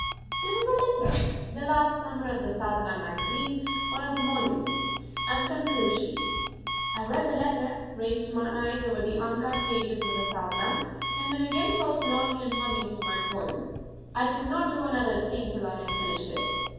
There was a letter, the last number of the Sadhana Magazine, one of the Monist, and some proof sheets. I read the letter, raced my eyes over the uncut pages of the Sadhana, and then again fell to nodding and humming through my poem. I did not do another thing till I had finished it.